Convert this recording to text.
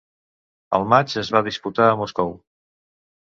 El matx es va disputar a Moscou.